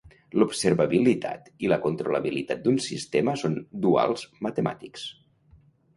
L'observabilitat i la controlabilitat d'un sistema són duals matemàtics.